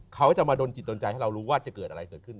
เขาจะมาดนจิตดนใจให้เรารู้ว่าจะเกิดอะไรเกิดขึ้น